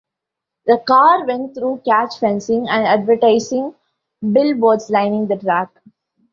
The car went through catch fencing and advertising billboards lining the track.